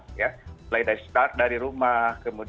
mulai dari start dari rumah